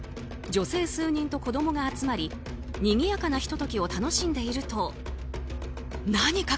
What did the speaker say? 女性数人と子供が集まりにぎやかなひと時を楽しんでいると。